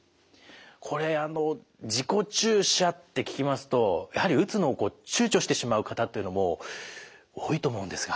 これあの自己注射って聞きますとやはり打つのを躊躇してしまう方っていうのも多いと思うんですが。